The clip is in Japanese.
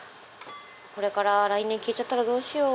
これから来年消えちゃったらどうしよう。